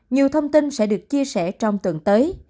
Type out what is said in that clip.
nhiều thông tin sẽ được chia sẻ trong tuần tới